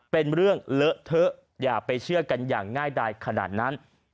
เป็นเรื่องเลอะเทอะอย่าไปเชื่อกันอย่างง่ายดายขนาดนั้น